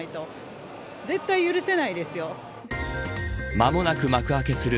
間もなく幕開けする